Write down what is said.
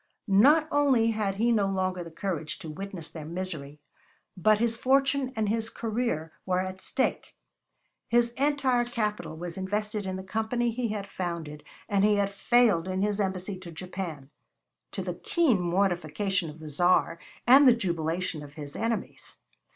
Not only had he no longer the courage to witness their misery, but his fortune and his career were at stake. His entire capital was invested in the Company he had founded, and he had failed in his embassy to Japan to the keen mortification of the Tsar and the jubilation of his enemies.